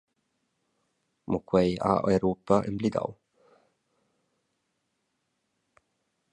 Mo quei ha Europa emblidau.